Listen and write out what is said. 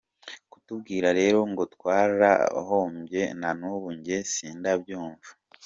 Kutubwira rero ngo twarahombye nanubu njye sindabyumwa.